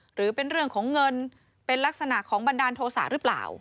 หรือเป็นเรื่องของเงินเป็นลักษณะของบันดาลโทษะหรือเปล่า